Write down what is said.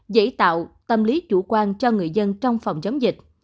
dễ tạo tâm lý chủ quan cho người dân trong phòng chống dịch